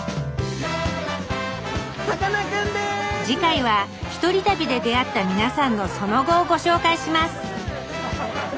次回は１人旅で出会った皆さんのその後をご紹介します。